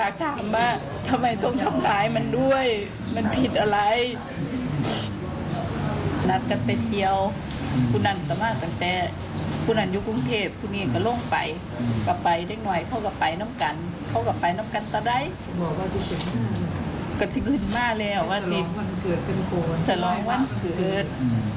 ก็ที่คุณมาแล้วว่าที่สลองวันเกิด